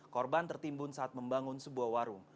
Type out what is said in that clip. korban tertimbun saat membangun sebuah warung